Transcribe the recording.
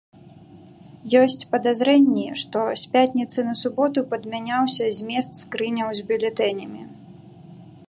Ёсць падазрэнні, што з пятніцы на суботу падмяняўся змест скрыняў з бюлетэнямі.